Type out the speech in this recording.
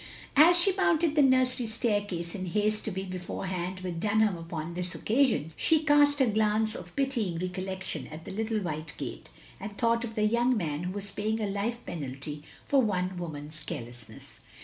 As she mounted the nursery staircase in haste to be beforehand with Dunham upon this occasion, she cast a glance of pitying recollection at the little white gate, and thought of the young man who was paying a life penalty for one woman's carelessness.